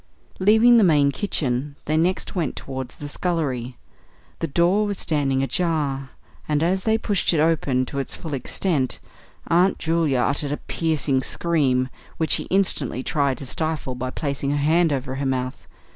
Leaving the main kitchen, they next went towards the scullery. The door was standing ajar, and as they pushed it open to its full extent Aunt Julia uttered a piercing scream, which she instantly tried to stifle by placing her hand over her mouth.